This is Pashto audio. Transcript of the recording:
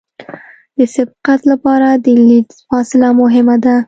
د سبقت لپاره د لید فاصله مهمه ده